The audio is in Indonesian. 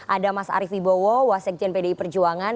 ada mas arief wibowo wasekjen pdi perjuangan